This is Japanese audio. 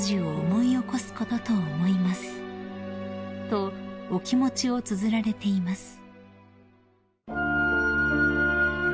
［とお気持ちをつづられています］